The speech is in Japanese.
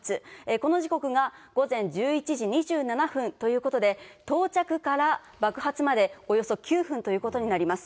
この時刻が午前１１時２７分ということで、到着から爆発までおよそ９分ということになります。